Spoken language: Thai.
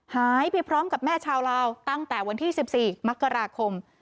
หายไปพร้อมกับแม่ชาวลาวตั้งแต่วันที่๑๔มกราคม